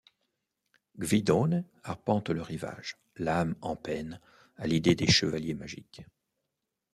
Gvidone arpente le rivage, l'âme en peine à l'idée des chevaliers magiques.